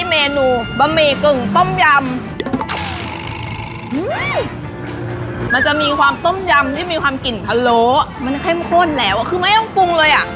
พอแบบจัดเต็ม๔เส้นอยากรู้ว่ามันจะมีความแบบแตกต่างกันยังไงบ้างนะคะ